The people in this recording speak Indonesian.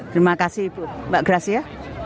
terima kasih bu mbak krasia